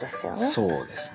そうですね。